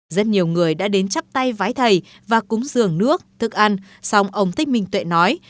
rất nhiều người đã đến chắp tay vái thầy và cúng giường nước thức ăn xong ông thích mình tuệ nói